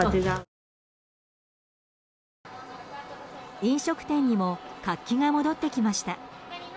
飲食店にも活気が戻ってきました。